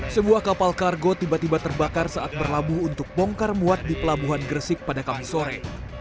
sebuah kapal kargo tiba tiba terbakar saat berlabuh untuk bongkar muat di pelabuhan gresik pada kamis sore